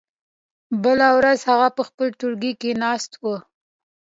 بله ورځ هغه په خپل ټولګي کې ناست و.